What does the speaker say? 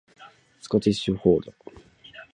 スコティッシュフォールド